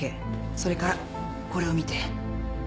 それからこれを見て。